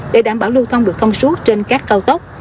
để đảm bảo lưu thông được thông suốt trên các cao tốc